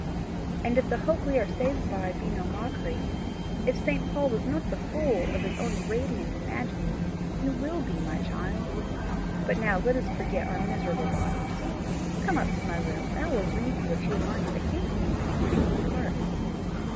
"And if the hope we are saved by be no mockery, if St. Paul was not the fool of his own radiant imaginings, you will be, my child. But now let us forget our miserable bodies. Come up to my room, and I will read you a few lines that came to me this morning in the park."